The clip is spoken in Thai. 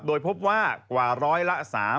โดยพบว่ากว่าร้อยละ๓๐